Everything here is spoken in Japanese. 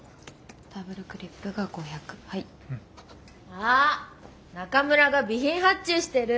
あ中村が備品発注してる。